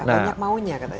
banyak maunya katanya